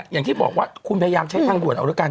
อย่างที่บอกว่าคุณพยายามใช้ทางด่วนเอาแล้วกัน